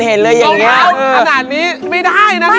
รองเท้าขนาดนี้ไม่ได้นะ